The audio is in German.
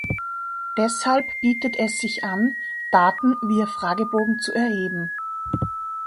Deshalb bietet es sich an, Daten via Fragebogen zu erheben.